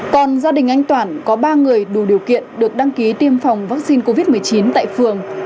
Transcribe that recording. còn gia đình anh toản có ba người đủ điều kiện được đăng ký tiêm phòng vaccine covid một mươi chín tại phường